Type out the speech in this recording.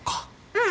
うん。